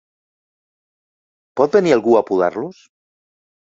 Pot venir algú a podar-los?